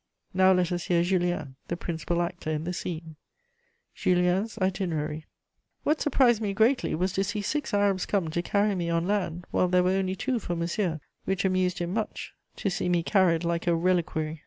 Now let us hear Julien, the principal actor in the scene: JULIEN'S ITINERARY. "What surprised me greatly was to see six Arabs come to carry me on land, while there were only two for Monsieur, which amused him much, to see me carried like a reliquary.